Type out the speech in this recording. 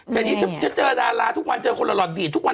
แต่นี้จะเจอดาราทุกวันเจอคนละรอดดีดทุกวัน